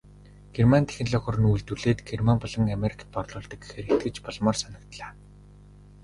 Герман технологиор нь үйлдвэрлээд Герман болон Америкт борлуулдаг гэхээр итгэж болмоор санагдлаа.